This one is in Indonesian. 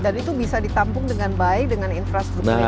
itu bisa ditampung dengan baik dengan infrastruktur yang baik